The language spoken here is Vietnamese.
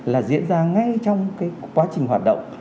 là diễn ra ngay trong quá trình hoạt động